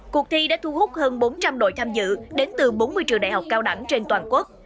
cuộc thi đã thu hút hơn bốn trăm linh đội tham dự đến từ bốn mươi trường đại học cao đẳng trên toàn quốc